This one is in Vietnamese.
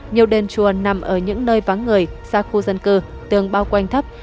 nhiều đền chùa nằm ở những nơi vắng người xa khu dân cư tường bao quanh thấp